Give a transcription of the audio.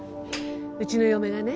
うちの嫁がね